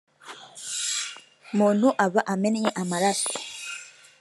muntu aba amennye amaraso